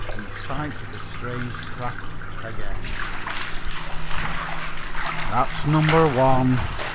WE SIGHT THE STRANGE CRAFT AGAIN. "That's number one!"